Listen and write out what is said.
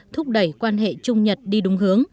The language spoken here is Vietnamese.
thúc đẩy quan hệ trung nhật đi đúng hướng